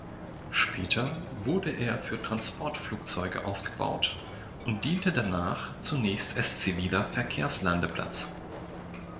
Später wurde er für Transportflugzeuge ausgebaut und diente danach zunächst als ziviler Verkehrslandeplatz.